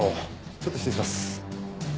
ちょっと失礼します。